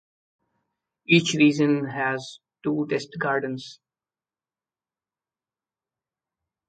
Each region has two test gardens.